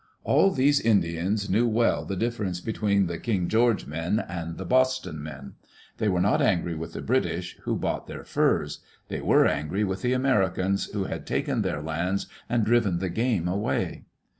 All these Indians knew well die difference between the " King George men and the " Boston men/' They were not angry with the British, who bought their furs. They were angry with the Americans who had taken their lands and driven the game away.